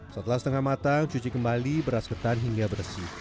setelah setengah matang cuci kembali beras ketan hingga bersih